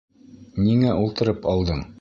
Ниңә ултырып алдың?